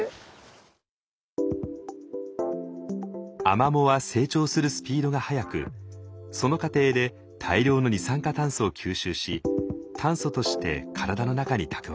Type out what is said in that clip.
アマモは成長するスピードが速くその過程で大量の二酸化炭素を吸収し炭素として体の中に蓄えます。